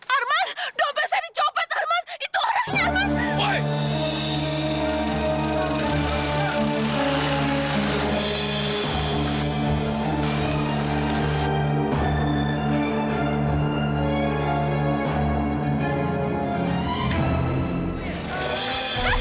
arman dompet saya dicopet arman itu orangnya arman